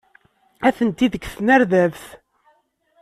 Atenti deg tnerdabt.